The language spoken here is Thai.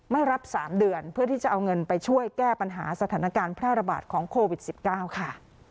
ไม่รับ๓เดือนเพื่อที่จะเอาเงินไปช่วยแก้ปัญหาสถานการณ์แพร่ระบาดของโควิด๑๙ค่ะ